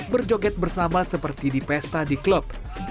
berjoget bersama seperti di pesta di klub